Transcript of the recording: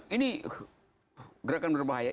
ini gerakan berbahaya